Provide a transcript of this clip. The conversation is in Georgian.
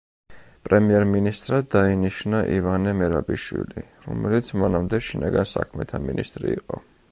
პრემიერ-მინისტრად დაინიშნა ივანე მერაბიშვილი, რომელიც მანამდე შინაგან საქმეთა მინისტრი იყო.